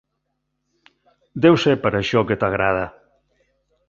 Deu ser per això que t'agrada.